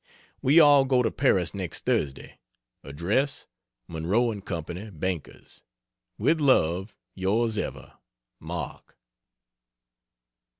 We all go to Paris next Thursday address, Monroe & Co., Bankers. With love Ys Ever MARK.